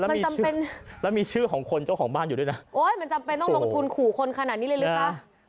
มันจำเป็นลองทุนขู่คนขนาดนี้เลยลึกปะ